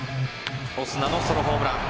オスナのソロホームラン。